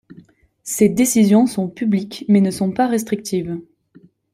Ses décisions sont publiques mais ne sont pas restrictives.